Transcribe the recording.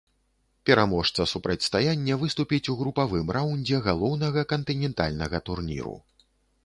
Пераможца супрацьстаяння выступіць у групавым раўндзе галоўнага кантынентальнага турніру.